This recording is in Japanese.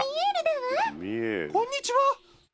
「こんにちは」